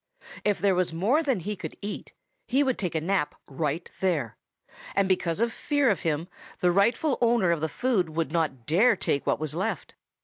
If there was more than he could eat, he would take a nap right there, and because of fear of him the rightful owner of the food would not dare take what was left.